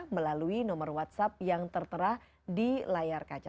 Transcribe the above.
melalui nomor whatsapp yang tertera di layar kaca